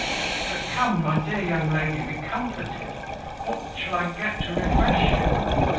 But come, my dear young lady, be comforted. What shall I get to refresh you?"